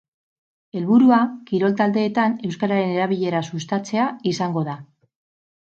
Helburua, kirol taldeetan euskararen erabilera sustatzea izango da.